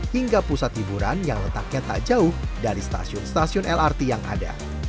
hingga pusat hiburan yang letaknya tak jauh dari stasiun stasiun lrt yang ada